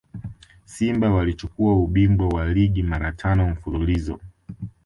simba walichukua ubingwa wa ligi mara tano mfululizo